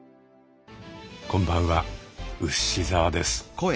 こんばんはウシ澤です。